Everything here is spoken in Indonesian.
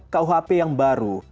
kuhp yang baru